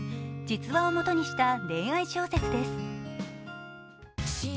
実話を元にした、恋愛小説です。